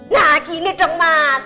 nah gini dong mas